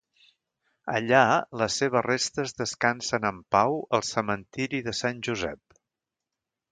Allà les seves restes descansen en pau al cementiri de Sant Josep.